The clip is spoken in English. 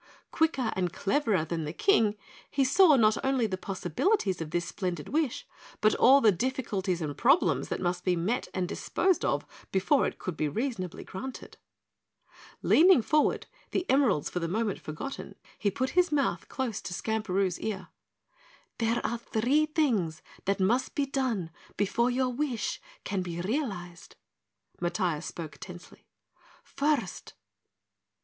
Quicker and cleverer than the King, he saw not only the possibilities of this splendid wish, but all the difficulties and problems that must be met and disposed of before it could be reasonably granted. Leaning forward, the emeralds for the moment forgotten, he put his mouth close to Skamperoo's ear. "There are three things that must be done before your wish can be realized." Matiah spoke tensely. "First